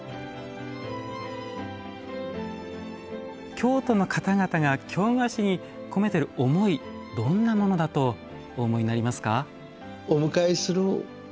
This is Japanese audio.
京都の方々が京菓子に込めてる思いどんなものだとお思いになりますか？